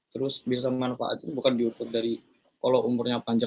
terus bisa memanfaatkan bukan diukur dari kalau umurnya panjang